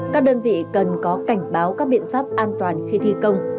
các đơn vị cần có cảnh báo các biện pháp an toàn khi thi công